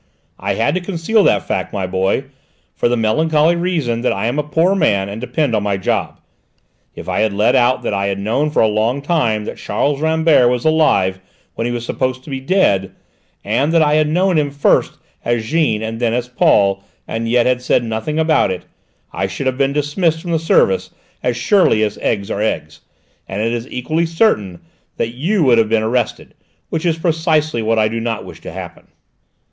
I had to conceal that fact, my boy, for the melancholy reason that I am a poor man and depend on my job. If I had let out that I had known for a long time that Charles Rambert was alive when he was supposed to be dead, and that I had known him first as Jeanne and then as Paul, and yet had said nothing about it, I should have been dismissed from the service as sure as eggs are eggs and it is equally certain that you would have been arrested; which is precisely what I do not wish to happen!"